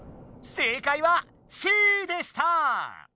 正解は「Ｃ」でした！